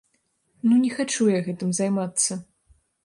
Ну не хачу я гэтым займацца.